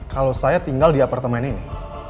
kalau saya tinggal di apartemen ini